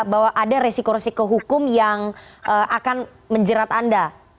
bahwa ada resiko resiko hukum yang akan menjerat anda